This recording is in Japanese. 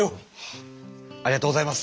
ありがとうございます。